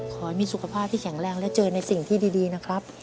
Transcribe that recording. ขอให้มีสุขภาพที่แข็งแรงและเจอในสิ่งที่ดีนะครับ